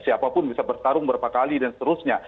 siapapun bisa bertarung berapa kali dan seterusnya